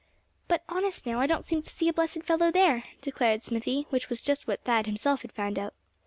"But honest now, I don't seem to see a blessed fellow there," declared Smithy, which was just what Thad had himself found out.